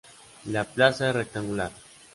La plaza es rectangular.